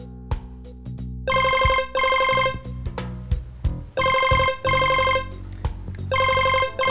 gak ada apa apa